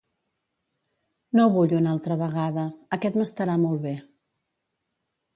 No vull una altra vegada, aquest m'estarà molt bé.